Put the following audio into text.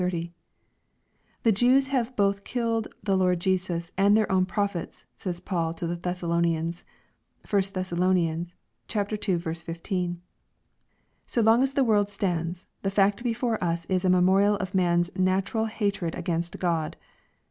*• The Jews have both killed the Lord Jesus and their own prophets," says Paul to the Thessalonians. . (1 Thess. ii. 15.) So long as the world stands the fact before us is a memorial QL.maii!s natural hatred against God.